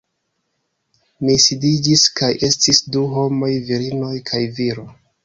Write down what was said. Mi sidiĝis kaj estis du homoj virinoj kaj viro